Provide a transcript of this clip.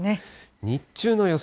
日中の予想